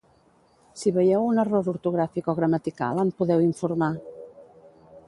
Si veieu un error ortogràfic o gramatical en podeu informar